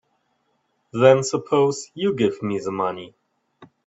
Then suppose you give me the money.